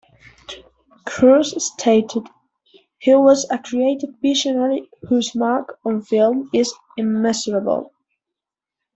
Cruise stated, He was a creative visionary whose mark on film is immeasurable.